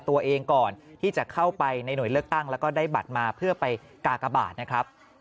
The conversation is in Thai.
ตัวเองก่อนที่จะเข้าไปในหน่วยเลือกตั้งแล้วก็ได้บัตรมาเพื่อไปกากบาทนะครับ